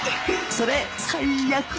それ最悪！